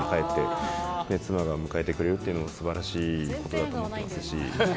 家に帰って、妻が迎えてくれるっていうのもすばらしいことだと思ってますし。